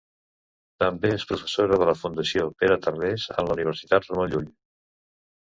També és professora de la Fundació Pere Tarrés en la Universitat Ramon Llull.